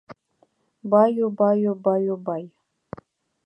Баю-баю-баю-бай